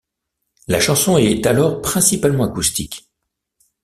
La chanson est alors principalement acoustique.